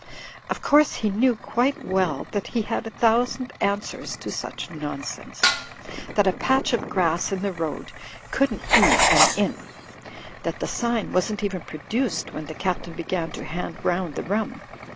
Of course he knew quite well that he had a thousand answers to such nonsense: that a patch of grass in the road couldn't u,y,uz«u by Google 240 THE FLYING INN be an inn; that the sign wasn't even produced ivhen the Captain began to hand round the rum.